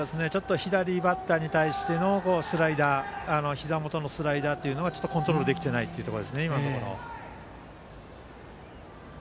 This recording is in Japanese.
左バッターに対してのひざ元のスライダーがコントロールできていないところですね。